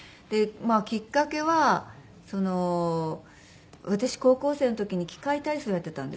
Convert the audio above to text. きっかけは私高校生の時に器械体操をやってたんですね。